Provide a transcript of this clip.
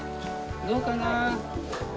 どうかな？